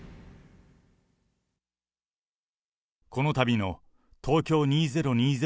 このたびの東京２０２０